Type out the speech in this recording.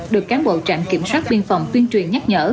được cán bộ trạm kiểm soát biên phòng tuyên truyền nhắc nhở